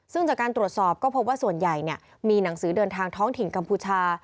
ซึ่งจากการตรวจสอบก็พบว่าส่วนใหญ่มีหนังสือเดินทางท้องถิ่นกัมพูชา